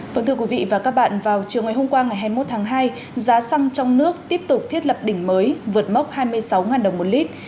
vâng thưa quý vị và các bạn vào chiều ngày hôm qua ngày hai mươi một tháng hai giá xăng trong nước tiếp tục thiết lập đỉnh mới vượt mốc hai mươi sáu đồng một lít